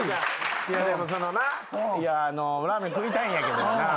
でもそのなラーメン食いたいんやけどな。